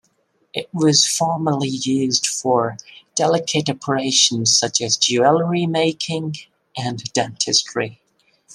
It was formerly used for delicate operations such as jewellery making and dentistry.